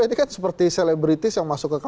ini kan seperti selebritis yang masuk ke kpk